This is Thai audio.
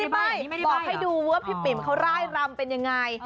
ไม่บอกให้ดูว่าพี่ปิ๋มเขาร่ายรำเป็นยังไง